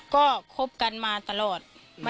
ก็คบกันมาตลอด